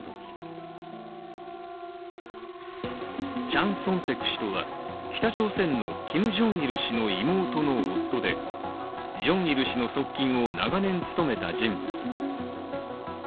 チャン・ソンテク氏とは北朝鮮のキム・ジョンイル氏の妹の夫で、ジョンイル氏の側近を長年務めた人物。